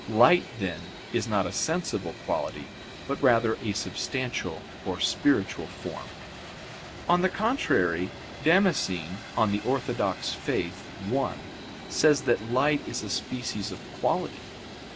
Light, then, is not a sensible quality, but rather a substantial or spiritual form. On the contrary, Damascene (De Fide Orth. i) says that light is a species of quality.